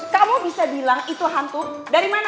kamu bisa bilang itu hantu dari mana